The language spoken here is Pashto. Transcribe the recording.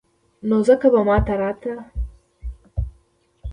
نو ځکه به ما ته راته.